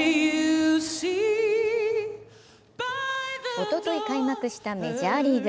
おととい開幕したメジャーリーグ。